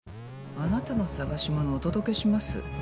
あなたの探し物お届けします？